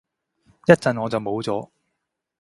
一陣我就冇咗